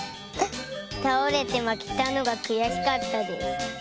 たおれてまけたのがくやしかったです。